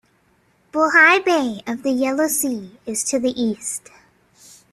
Bohai Bay of the Yellow Sea is to the east.